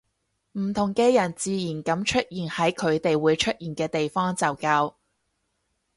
唔同嘅人自然噉出現喺佢哋會出現嘅地方就夠